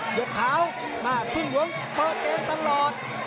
ยกขาวพึ่งหลวงเปิดเกมตลอด